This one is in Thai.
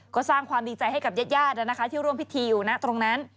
ก็สร้างความดีใจให้กับเย็ดที่ร่วมพิธีอยู่ตรงนั้น